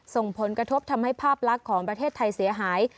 ส่งผลกระทบทำให้ภาพลักษณ์ของประเทศไทยเสียหาย